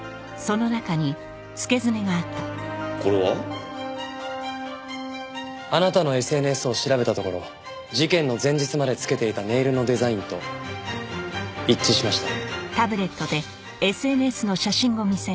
これは？あなたのＳＮＳを調べたところ事件の前日までつけていたネイルのデザインと一致しました。